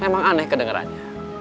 memang aneh kedengerannya